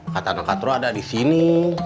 kata rokatul ada di sini